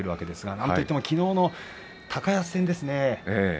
なんといってもきのうの高安戦ですね。